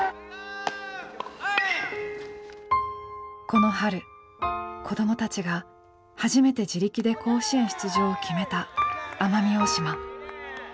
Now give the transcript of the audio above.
この春子どもたちが初めて自力で甲子園出場を決めた奄美大島。